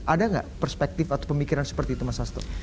ada nggak perspektif atau pemikiran seperti itu mas hasto